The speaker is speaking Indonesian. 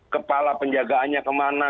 kepala penjagaannya kemana